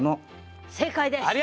正解です！